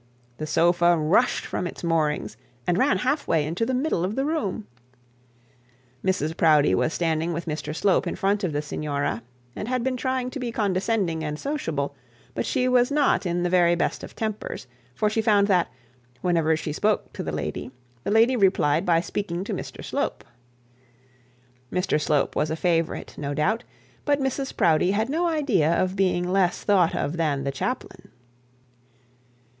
The sofa rushed from its moorings, and ran half way into the middle of the room. Mrs Proudie was standing with Mr Slope in front of the signora, and had been trying to be condescending and sociable; but she was not in the very best of tempers; for she found that whenever she spoke to the lady, the lady replied by speaking to Mr Slope. Mr Slope was a favourite, no doubt; but Mrs Proudie had no idea of being less thought of than the chaplain.